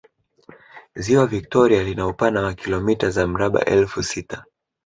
Ziwa Vitoria lina upana wa kilomita za mraba elfu sita